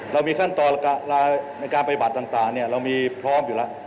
เรามีขั้นตอนในการไปบัตรต่างเรามีพร้อมอยู่แล้ว